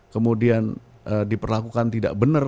kemudian diperlakukan tidak benar